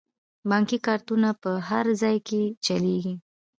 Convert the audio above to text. بانکي کارتونه په هر ځای کې چلیږي.